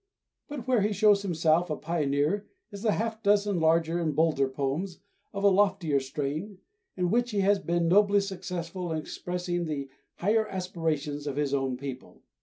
But where he shows himself a pioneer is the half dozen larger and bolder poems, of a loftier strain, in which he has been nobly successful in expressing the higher aspirations of his own people.